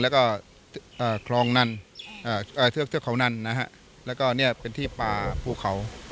แล้วก็เทือกเขานั่นแล้วก็เป็นที่ปลาผู้เขา